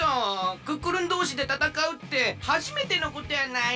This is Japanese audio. クックルンどうしでたたかうってはじめてのことやない？